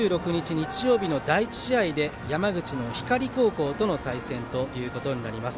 日曜日の第１試合で山口の光高校との対戦ということになります。